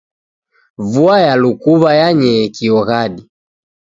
Vua ya lukuw'a yanyee kio ghadi.